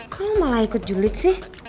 kok lo malah ikut julid sih